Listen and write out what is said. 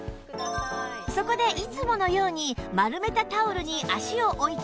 そこでいつものように丸めたタオルに脚を置いて寝てもらいました